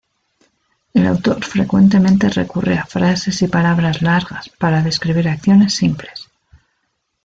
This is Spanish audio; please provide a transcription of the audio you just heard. El autor frecuentemente recurre a frases y palabras largas para describir acciones simples.